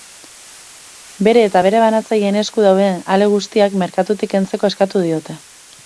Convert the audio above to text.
Bere eta bere banatzaileen esku dauden ale guztiak merkatutik kentzeko eskatu diote.